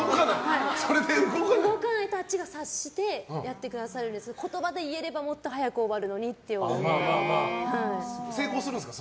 動かないと、あっちが察してやってくださるんですけど言葉で言えれば成功するんですか？